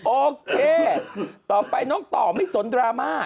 โอเคต่อไปน้องต่อไม่สนดราม่า